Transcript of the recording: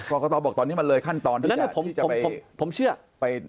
กรกตบอกตอนนี้มันเลยขั้นตอนที่จะไป